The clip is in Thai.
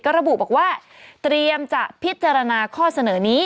ระบุบอกว่าเตรียมจะพิจารณาข้อเสนอนี้